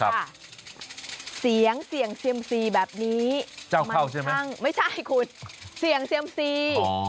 แสงเสียงเศียมซี่แบบนี้เจ้าเข้าใช่ไม่ใช่พี่แขสเสียงเศียมซี่